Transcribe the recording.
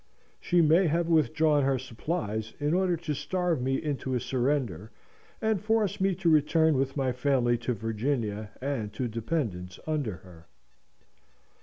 She may have withdrawn her supplies, in order to starve me into a surrender, and force me to return with my family to Virginia, and to dependence under her.